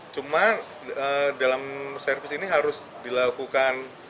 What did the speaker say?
cuma dalam servis ini harus dilakukan